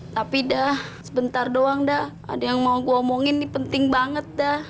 tapi dah sebentar doang dah ada yang mau gue omongin ini penting banget dah